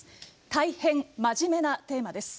大変、真面目なテーマです。